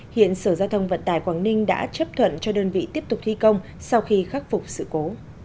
hiện sở giao thông vận tải quảng ninh đã chấp thuận cho đơn vị tiếp tục thi công sau khi khắc phục sự cố